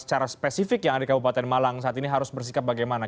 secara spesifik yang ada di kabupaten malang saat ini harus bersikap bagaimana